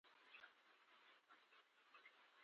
مچمچۍ د ګردې ویشلو سره بوټي حاصل ورکوي